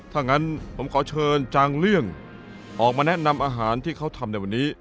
ถ้างั้นผมขอเชิญจางเรื่องออกมาแนะนำอาหารที่เขาทำในวันนี้